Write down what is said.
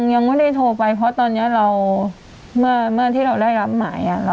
ยังไม่ได้โทรไปเพราะตอนนี้เราเมื่อที่เราได้รับหมาย